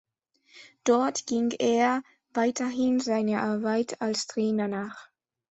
Dort ging er weiterhin seiner Arbeit als Trainer nach.